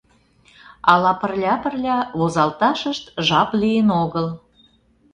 Ала пырля-пырля возалташышт жап лийын огыл...